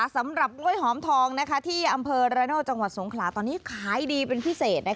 สำหรับกล้วยหอมทองที่อำเภอระโนธจังหวัดสงขลาตอนนี้ขายดีเป็นพิเศษ